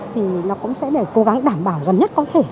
thì nó cũng sẽ phải cố gắng đảm bảo gần nhất có thể